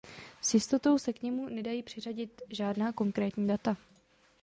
S jistotou se k němu nedají přiřadit žádná konkrétní data.